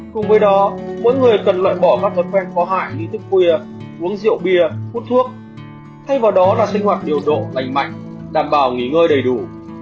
cùng với đó mỗi người cần loại bỏ các thói quen có hại nghi thức khuya uống rượu bia hút thuốc thay vào đó là sinh hoạt điều độ lành mạnh đảm bảo nghỉ ngơi đầy đủ